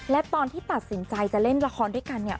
และตอนที่ตัดสินใจจะเล่นละครด้วยกันเนี่ย